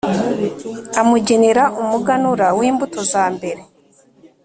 amugenera umuganura w’imbuto za mbere,